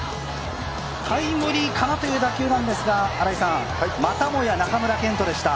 タイムリーかなという打球なんですが、またもや中村健人でした。